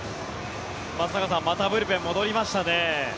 松坂さんまたブルペンに戻りましたね。